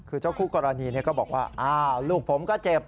คือเจ้าคู่กรณีก็บอกว่าลูกผมก็เจ็บ